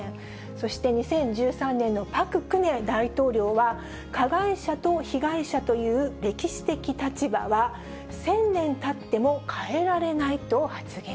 そして、２０１３年のパク・クネ大統領は、加害者と被害者という歴史的立場は、１０００年たっても変えられないと発言。